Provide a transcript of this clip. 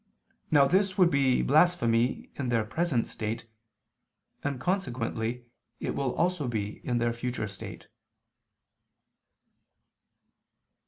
Now this would be blasphemy in their present state: and consequently it will also be in their future state.